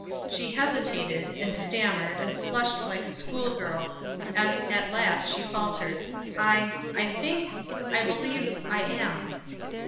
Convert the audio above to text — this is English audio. She hesitated, and stammered, and flushed like a school girl, as at last she faltered: "I I think I believe I am."